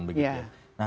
ada di keraton begitu